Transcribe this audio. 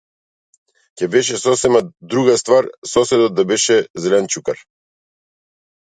Ќе беше сосема друга ствар соседот да беше - зеленчукар.